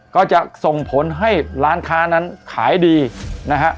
ก็จะส่งผลให้ร้านค้านั้นขายดีนะฮะ